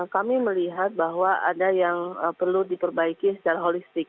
kami melihat bahwa ada yang perlu diperbaiki secara holistik